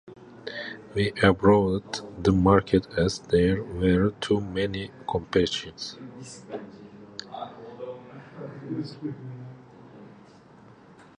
We abandoned the market as there were too many competitors.